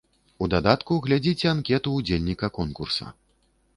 У дадатку глядзіце анкету ўдзельніка конкурса.